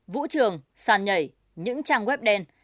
vũ trường san nhảy những trang web đen